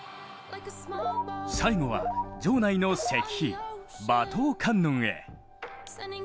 最後は、場内の石碑馬頭観音へ。